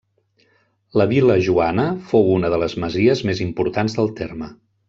La Vil·la Joana fou una de les masies més importants del terme.